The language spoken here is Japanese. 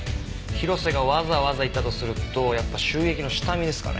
広瀬がわざわざ行ったとするとやっぱ襲撃の下見ですかね？